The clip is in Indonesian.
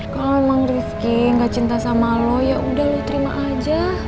kalau memang rifqi ga cinta sama lo yaudah lo terima aja